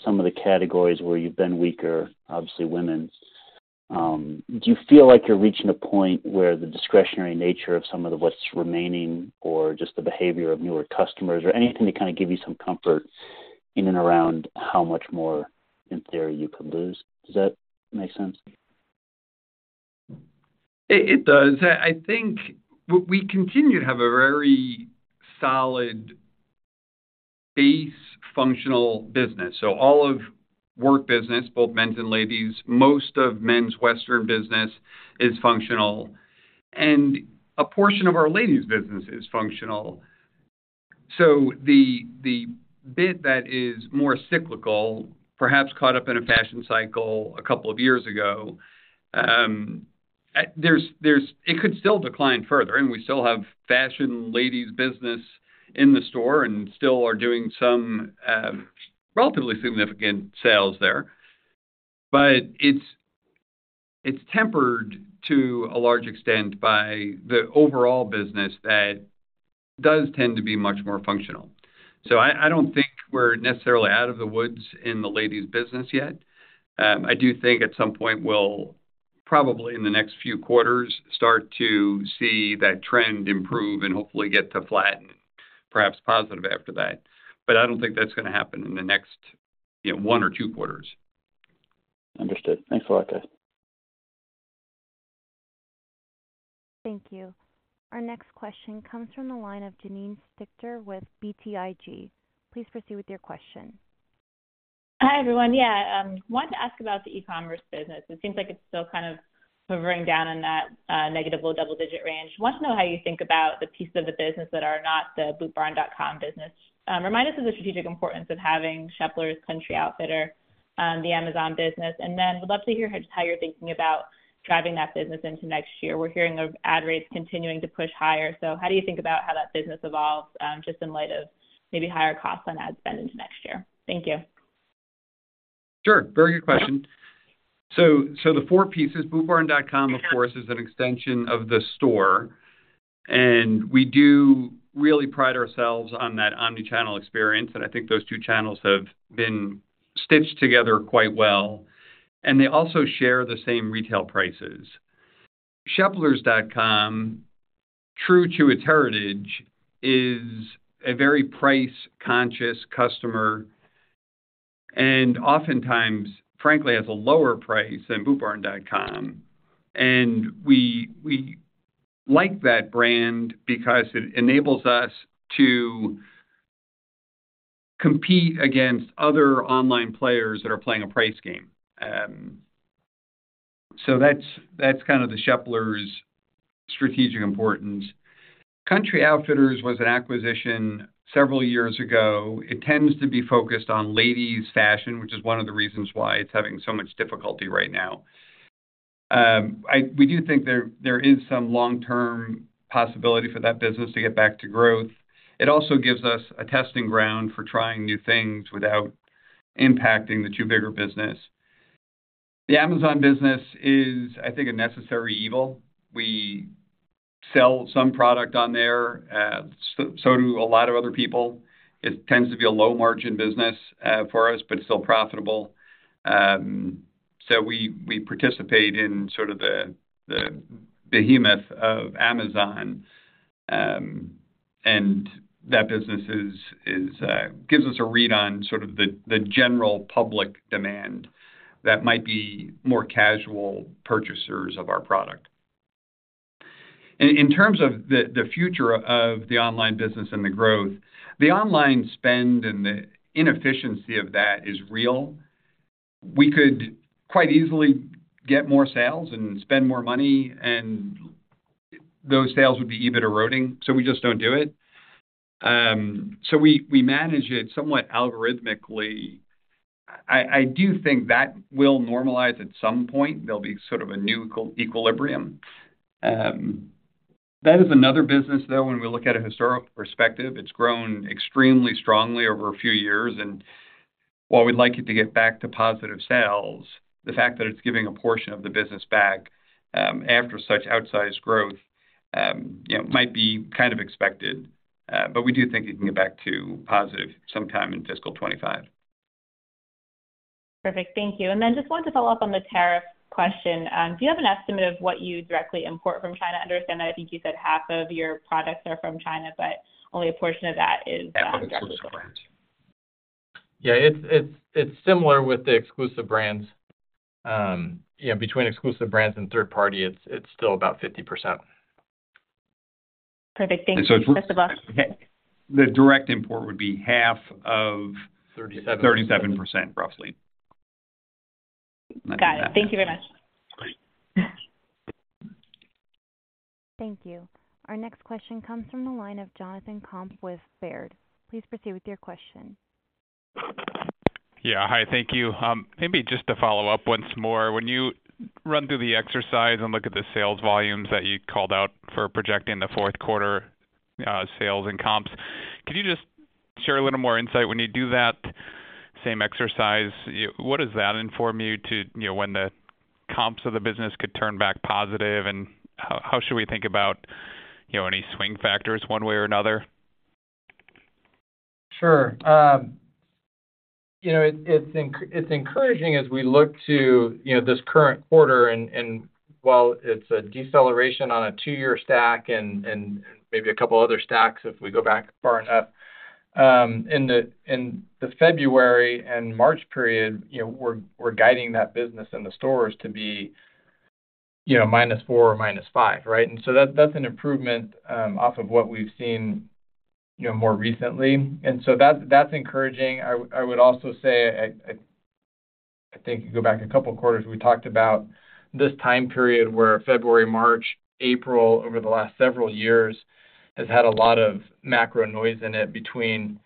some of the categories where you've been weaker, obviously women's, do you feel like you're reaching a point where the discretionary nature of some of the what's remaining or just the behavior of newer customers or anything to kind of give you some comfort in and around how much more in theory you could lose? Does that make sense? It does. I think we continue to have a very solid base functional business. So all of work business, both men's and ladies, most of men's western business is functional, and a portion of our ladies business is functional. So the bit that is more cyclical, perhaps caught up in a fashion cycle a couple of years ago, it could still decline further, and we still have fashion ladies business in the store and still are doing some relatively significant sales there, but it's tempered to a large extent by the overall business that does tend to be much more functional. So I don't think we're necessarily out of the woods in the ladies business yet. I do think at some point, we'll probably, in the next few quarters, start to see that trend improve and hopefully get to flatten, perhaps positive after that. But I don't think that's gonna happen in the next, you know, one or two quarters. Understood. Thanks a lot, guys. Thank you. Our next question comes from the line of Janine Stichter with BTIG. Please proceed with your question. Hi, everyone. Yeah, wanted to ask about the e-commerce business. It seems like it's still kind of hovering down in that, negative low double-digit range. Want to know how you think about the pieces of the business that are not the bootbarn.com business. Remind us of the strategic importance of having Sheplers, Country Outfitter, the Amazon business, and then would love to hear just how you're thinking about driving that business into next year. We're hearing of ad rates continuing to push higher, so how do you think about how that business evolves, just in light of maybe higher costs on ad spend into next year? Thank you. Sure. Very good question. So, the four pieces, bootbarn.com, of course, is an extension of the store, and we do really pride ourselves on that omni-channel experience, and I think those two channels have been stitched together quite well, and they also share the same retail prices. sheplers.com, true to its heritage, is a very price-conscious customer and oftentimes, frankly, has a lower price than bootbarn.com. And we like that brand because it enables us to compete against other online players that are playing a price game. So that's kind of the Sheplers' strategic importance. Country Outfitter was an acquisition several years ago. It tends to be focused on ladies' fashion, which is one of the reasons why it's having so much difficulty right now. We do think there is some long-term possibility for that business to get back to growth. It also gives us a testing ground for trying new things without impacting the two bigger business. The Amazon business is, I think, a necessary evil. We sell some product on there, so do a lot of other people. It tends to be a low-margin business, for us, but still profitable. So we participate in sort of the behemoth of Amazon, and that business gives us a read on sort of the general public demand that might be more casual purchasers of our product. In terms of the future of the online business and the growth, the online spend and the inefficiency of that is real. We could quite easily get more sales and spend more money, and those sales would be EBIT eroding, so we just don't do it. So we manage it somewhat algorithmically. I do think that will normalize at some point. There'll be sort of a new equilibrium. That is another business, though, when we look at a historical perspective, it's grown extremely strongly over a few years, and while we'd like it to get back to positive sales, the fact that it's giving a portion of the business back, after such outsized growth, you know, might be kind of expected, but we do think it can get back to positive sometime in fiscal 2025. Perfect. Thank you. And then just wanted to follow up on the tariff question. Do you have an estimate of what you directly import from China? I understand that I think you said half of your products are from China, but only a portion of that is directly- That's correct. Yeah, it's similar with the Exclusive brands. Yeah, between Exclusive brands and third party, it's still about 50%. Perfect. Thank you. So it's - Best of luck. The direct import would be half of - Thirty-seven. 37%, roughly. Got it. Thank you very much. Great. Thank you. Our next question comes from the line of Jonathan Komp with Baird. Please proceed with your question. Yeah. Hi, thank you. Maybe just to follow up once more. When you run through the exercise and look at the sales volumes that you called out for projecting the fourth quarter, sales and comps, could you just share a little more insight? When you do that same exercise, you, what does that inform you to, you know, when the comps of the business could turn back positive, and how should we think about, you know, any swing factors one way or another? Sure. You know, it's encouraging as we look to, you know, this current quarter, and while it's a deceleration on a two-year stack and maybe a couple other stacks if we go back far enough, in the February and March period, you know, we're guiding that business in the stores to be, you know, -4 or -5, right? And so that's an improvement off of what we've seen, you know, more recently. And so that's encouraging. I would also say, I think if you go back a couple quarters, we talked about this time period where February, March, April, over the last several years, has had a lot of macro noise in it between,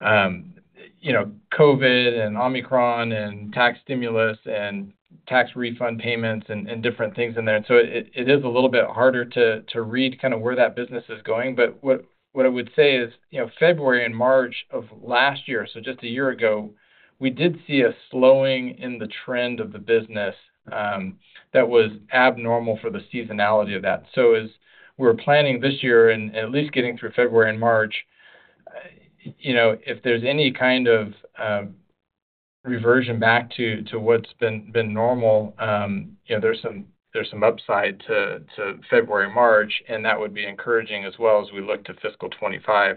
you know, COVID and Omicron and tax stimulus and-tax refund payments and different things in there. And so it is a little bit harder to read kind of where that business is going. But what I would say is, you know, February and March of last year, so just a year ago, we did see a slowing in the trend of the business, that was abnormal for the seasonality of that. So as we're planning this year and at least getting through February and March, you know, if there's any kind of reversion back to what's been normal, you know, there's some upside to February, March, and that would be encouraging as well as we look to fiscal 2025.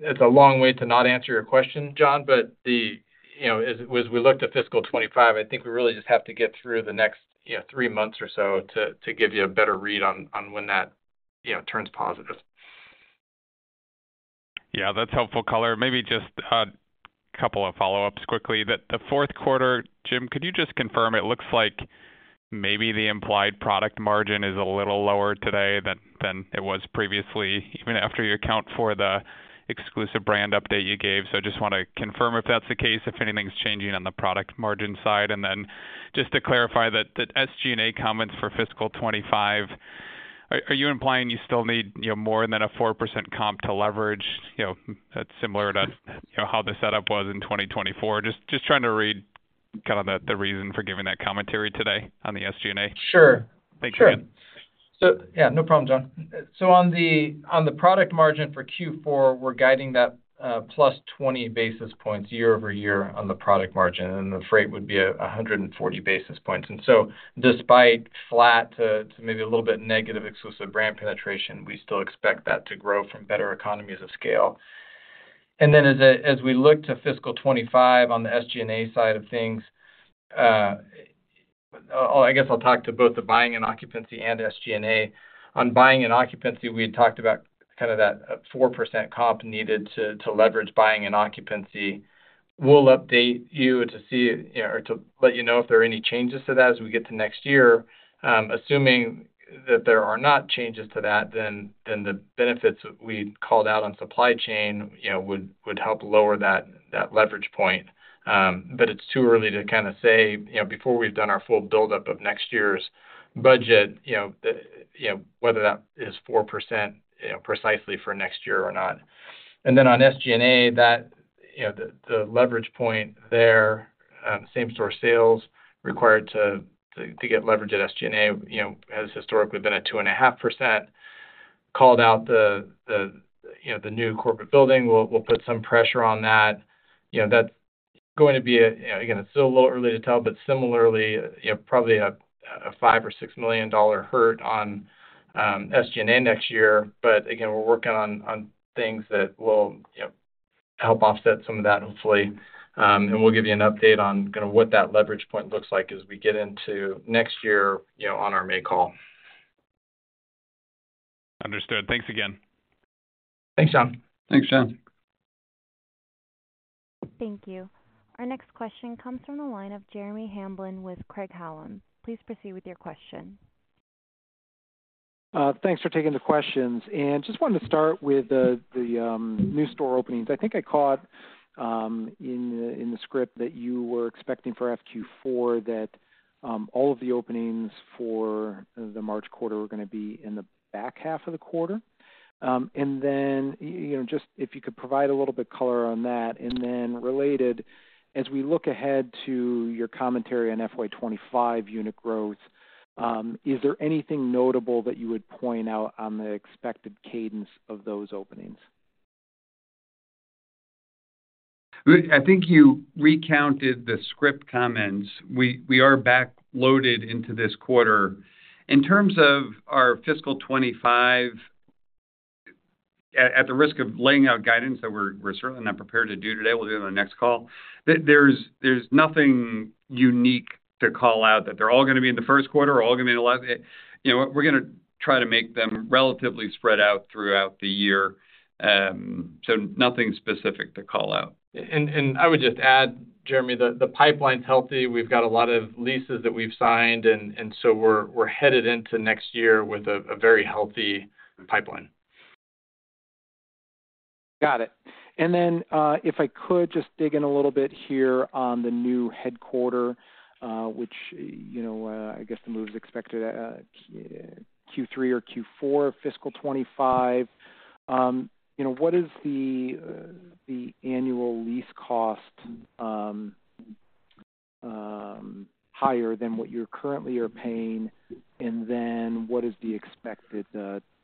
It's a long way to not answer your question Jon, but, you know, as we look to fiscal 2025, I think we really just have to get through the next, you know, three months or so to give you a better read on when that, you know, turns positive. Yeah, that's helpful color. Maybe just a couple of follow-ups quickly. The fourth quarter, Jim, could you just confirm? It looks like maybe the implied product margin is a little lower today than it was previously, even after you account for the Exclusive brand update you gave. So I just want to confirm if that's the case, if anything's changing on the product margin side. And then just to clarify that SG&A comments for fiscal 2025, are you implying you still need, you know, more than a 4% comp to leverage? You know, that's similar to, you know, how the setup was in 2024. Just trying to read kind of the reason for giving that commentary today on the SG&A. Sure. Thank you. Sure. So yeah, no problem, Jon. So on the product margin for Q4, we're guiding that +20 basis points year-over-year on the product margin, and the freight would be 140 basis points. And so despite flat to maybe a little bit negative Exclusive brand penetration, we still expect that to grow from better economies of scale. And then as we look to fiscal 2025 on the SG&A side of things, oh, I guess I'll talk to both the buying and occupancy and SG&A. On buying and occupancy, we had talked about kind of that 4% comp needed to leverage buying and occupancy. We'll update you to see or to let you know if there are any changes to that as we get to next year. Assuming that there are not changes to that, then the benefits we called out on supply chain, you know, would help lower that leverage point. But it's too early to kind of say, you know, before we've done our full buildup of next year's budget, you know, whether that is 4%, you know, precisely for next year or not. And then on SG&A, that, you know, the leverage point there, same-store sales required to get leverage at SG&A, you know, has historically been at 2.5%. Called out the, you know, the new corporate building, we'll put some pressure on that. You know, that's going to be a, you know, again, it's still a little early to tell, but similarly, you know, probably a $5 million-$6 million hurt on SG&A next year. But again, we're working on things that will, you know, help offset some of that, hopefully. And we'll give you an update on kind of what that leverage point looks like as we get into next year, you know, on our May call. Understood. Thanks again. Thanks, Jon. Thanks, Jon. Thank you. Our next question comes from the line of Jeremy Hamblin with Craig-Hallum. Please proceed with your question. Thanks for taking the questions. And just wanted to start with the new store openings. I think I caught in the script that you were expecting for FQ4, that all of the openings for the March quarter were gonna be in the back half of the quarter. And then, you know, just if you could provide a little bit color on that. And then related, as we look ahead to your commentary on FY 25 unit growth, is there anything notable that you would point out on the expected cadence of those openings? I think you recounted the script comments. We are backloaded into this quarter. In terms of our fiscal 2025, at the risk of laying out guidance that we're certainly not prepared to do today, we'll do on the next call. There's nothing unique to call out that they're all gonna be in the first quarter or all gonna be in the last. You know, we're gonna try to make them relatively spread out throughout the year. So nothing specific to call out. I would just add Jeremy, the pipeline's healthy. We've got a lot of leases that we've signed, and so we're headed into next year with a very healthy pipeline. Got it. And then, if I could just dig in a little bit here on the new headquarters, which, you know, I guess the move is expected, Q3 or Q4 of fiscal 2025. You know, what is the annual lease cost, higher than what you currently are paying? And then what is the expected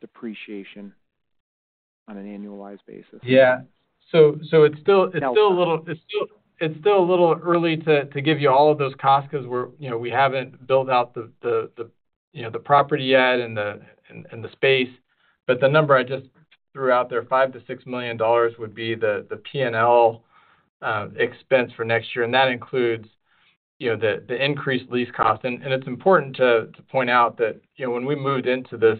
depreciation on an annualized basis? Yeah. So, it's still a little early to give you all of those costs because we're, you know, we haven't built out the property yet and the space. But the number I just threw out there, $5 million-$6 million, would be the P&L expense for next year, and that includes, you know, the increased lease costs. And it's important to point out that, you know, when we moved into this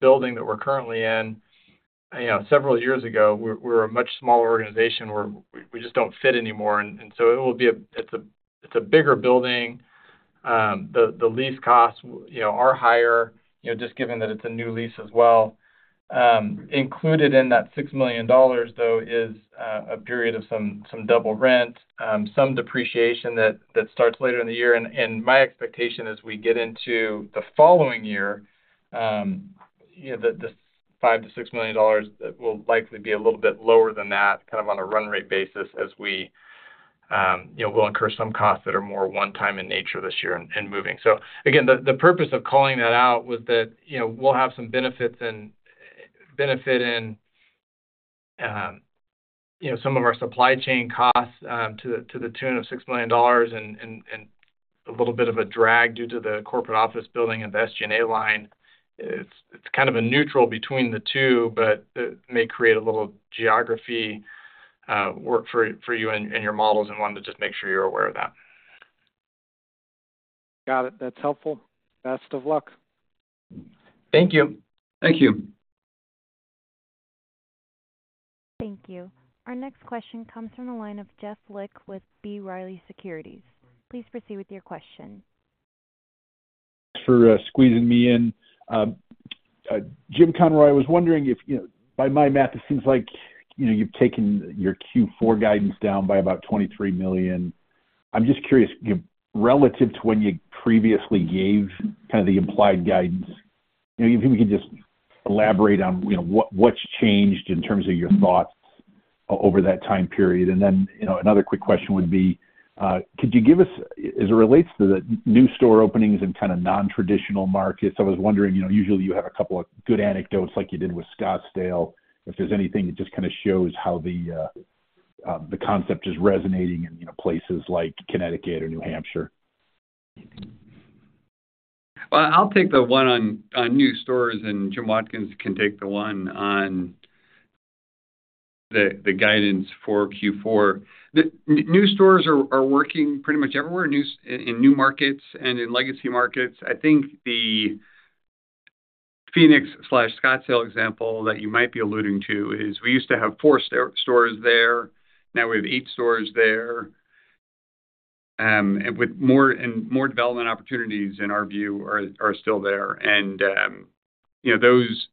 building that we're currently in, you know, several years ago, we're a much smaller organization where we just don't fit anymore. And so it will - i's a bigger building. the lease costs, you know, are higher, you know, just given that it's a new lease as well. Included in that $6 million, though, is a period of some double rent, some depreciation that starts later in the year. And my expectation as we get into the following year, you know, this $5 million-$6 million will likely be a little bit lower than that, kind of on a run rate basis, as we, you know, we'll incur some costs that are more one-time in nature this year in moving. So again, the purpose of calling that out was that, you know, we'll have some benefits in, you know, some of our supply chain costs to the tune of $6 million and a little bit of a drag due to the corporate office building and the SG&A line. It's kind of a neutral between the two, but it may create a little geography work for you and your models, and wanted to just make sure you're aware of that. Got it. That's helpful. Best of luck. Thank you. Thank you. Thank you. Our next question comes from the line of Jeff Lick with B. Riley Securities. Please proceed with your question. Thanks for squeezing me in. Jim Conroy, I was wondering if, you know, by my math, it seems like, you know, you've taken your Q4 guidance down by about $23 million. I'm just curious, relative to when you previously gave kind of the implied guidance, you know, if you could just elaborate on, you know, what, what's changed in terms of your thoughts over that time period? And then, you know, another quick question would be, could you give us, as it relates to the new store openings in kind of nontraditional markets, I was wondering, you know, usually you have a couple of good anecdotes like you did with Scottsdale, if there's anything that just kind of shows how the concept is resonating in, you know, places like Connecticut or New Hampshire. Well, I'll take the one on new stores, and Jim Watkins can take the one on the guidance for Q4. The new stores are working pretty much everywhere in new markets and in legacy markets. I think the Phoenix/Scottsdale example that you might be alluding to is we used to have 4 stores there. Now we have 8 stores there, and with more and more development opportunities, in our view, are still there. And you know, those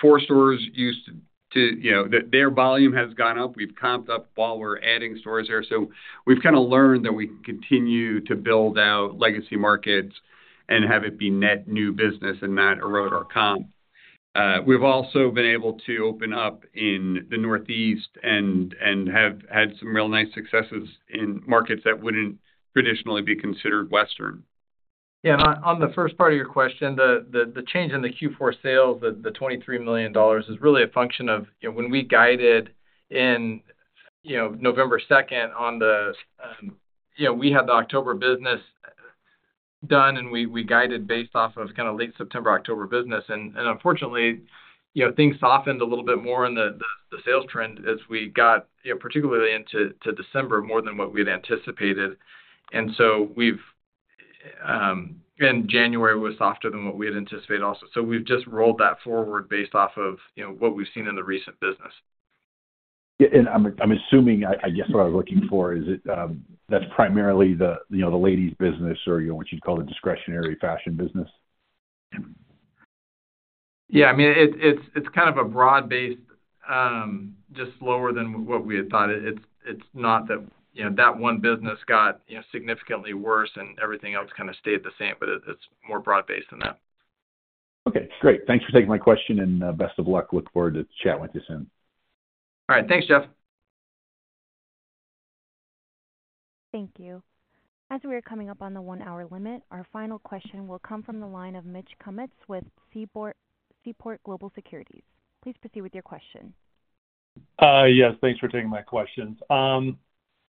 four stores used to, you know, their volume has gone up. We've comped up while we're adding stores there. So we've kind of learned that we can continue to build out legacy markets and have it be net new business and not erode our comp. We've also been able to open up in the Northeast and have had some real nice successes in markets that wouldn't traditionally be considered Western. Yeah, on the first part of your question, the change in the Q4 sales, the $23 million, is really a function of, you know, when we guided in, you know, November second on the, you know, we had the October business done, and we guided based off of kind of late September, October business. And unfortunately, you know, things softened a little bit more in the sales trend as we got, you know, particularly into December, more than what we had anticipated. And so we've and January was softer than what we had anticipated also. So we've just rolled that forward based off of, you know, what we've seen in the recent business. Yeah, and I'm assuming, I guess what I was looking for is, that's primarily the, you know, the ladies business or, you know, what you'd call the discretionary fashion business? Yeah. I mean, it's kind of a broad base, just lower than what we had thought. It's not that, you know, that one business got, you know, significantly worse and everything else kind of stayed the same, but it's more broad based than that. Okay, great. Thanks for taking my question, and best of luck. Look forward to chat with you soon. All right. Thanks, Jeff. Thank you. As we are coming up on the one-hour limit, our final question will come from the line of Mitch Kummetz with Seaport Global Securities. Please proceed with your question. Yes, thanks for taking my questions.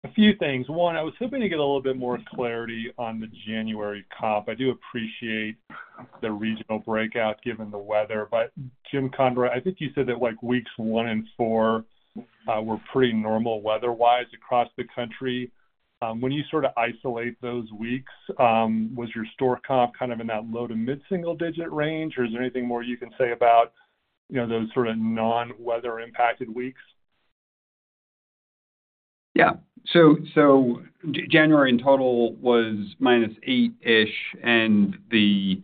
A few things. One, I was hoping to get a little bit more clarity on the January comp. I do appreciate the regional breakout, given the weather, but Jim Conroy, I think you said that like weeks one and four were pretty normal weather-wise across the country. When you sort of isolate those weeks, was your store comp kind of in that low to mid-single digit range, or is there anything more you can say about, you know, those sort of non-weather impacted weeks? Yeah. So January in total was -8-ish and the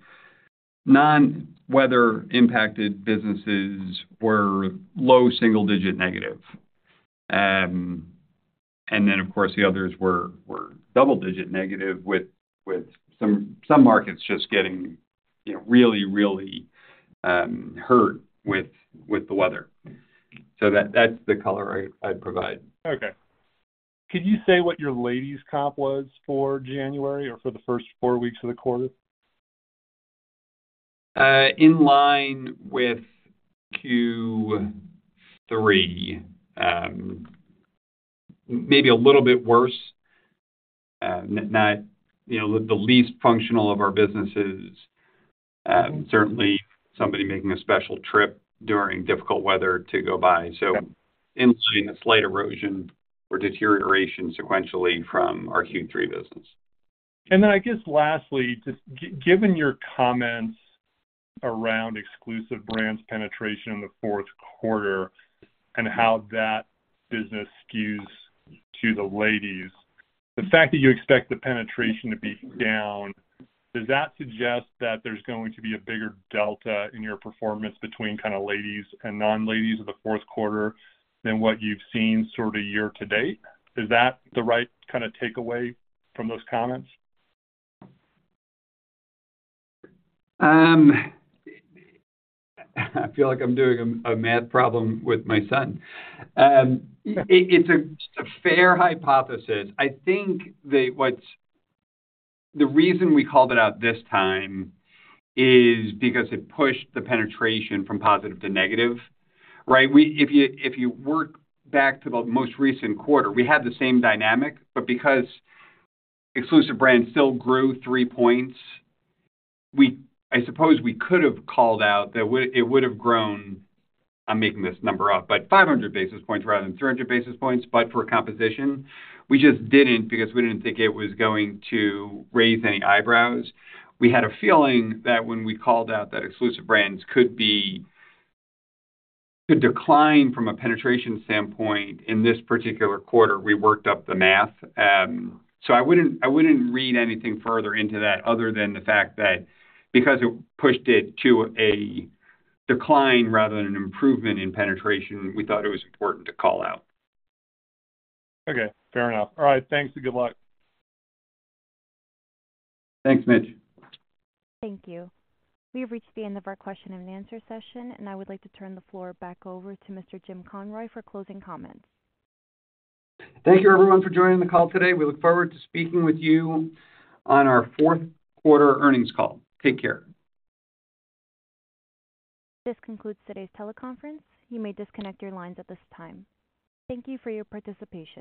non-weather impacted businesses were low single digit negative. And then, of course, the others were double-digit negative, with some markets just getting, you know, really, really hurt with the weather. So that's the color I'd provide. Okay. Could you say what your Ladies comp was for January or for the first four weeks of the quarter? In line with Q3. Maybe a little bit worse. Not, you know, the least functional of our businesses. Certainly somebody making a special trip during difficult weather to go buy. Okay. So implying a slight erosion or deterioration sequentially from our Q3 business. And then I guess lastly, just given your comments around Exclusive brands penetration in the fourth quarter and how that business skews to the ladies. The fact that you expect the penetration to be down, does that suggest that there's going to be a bigger delta in your performance between kind of ladies and non-ladies of the fourth quarter than what you've seen sort of year to date? Is that the right kind of takeaway from those comments? I feel like I'm doing a math problem with my son. It's a fair hypothesis. I think that what's the reason we called it out this time is because it pushed the penetration from positive to negative, right? We. If you work back to the most recent quarter, we had the same dynamic, but because Exclusive brands still grew 3 points, we. I suppose we could have called out that it would have grown, I'm making this number up, but 500 basis points rather than 300 basis points. But for comps, we just didn't, because we didn't think it was going to raise any eyebrows. We had a feeling that when we called out that Exclusive brands could decline from a penetration standpoint in this particular quarter, we worked up the math. I wouldn't read anything further into that other than the fact that because it pushed it to a decline rather than an improvement in penetration, we thought it was important to call out. Okay, fair enough. All right, thanks, and good luck. Thanks, Mitch. Thank you. We have reached the end of our question and answer session, and I would like to turn the floor back over to Mr. Jim Conroy for closing comments. Thank you, everyone, for joining the call today. We look forward to speaking with you on our fourth quarter earnings call. Take care. This concludes today's teleconference. You may disconnect your lines at this time. Thank you for your participation.